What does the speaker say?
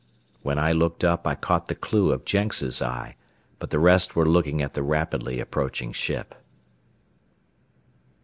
When I looked up I caught the clew of Jenks' eye, but the rest were looking at the rapidly approaching ship.